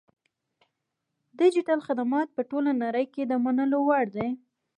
ډیجیټل خدمات په ټوله نړۍ کې د منلو وړ دي.